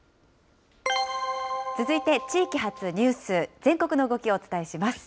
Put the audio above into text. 続いて地域発ニュース、全国の動きをお伝えします。